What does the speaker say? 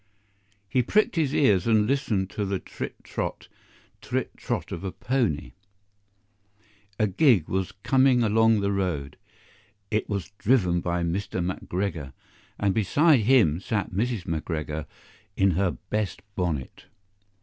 He pricked his ears and listened to the trit trot, trit trot of a pony. A gig was coming along the road; it was driven by Mr. McGregor, and beside him sat Mrs. McGregor in her best bonnet.